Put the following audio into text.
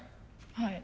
はい。